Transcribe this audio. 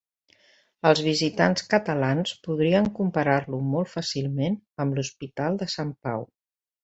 Els visitants catalans podrien comparar-lo molt fàcilment amb l'Hospital de Sant Pau.